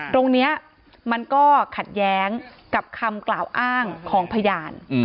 มันก็ขัดแย้งกับคำกล่าวอ้างของพยาน